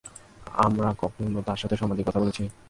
আমরা কখন তার সাথে সম্মান দিয়ে কথা বলেছি?